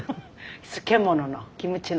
漬物のキムチの。